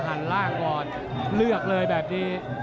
หันล่างก่อนเลือกเลยแบบนี้